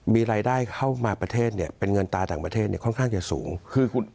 มีรายได้เข้ามาประเทศเนี่ยเป็นเงินตาต่างประเทศเนี่ยค่อนข้างจะสูง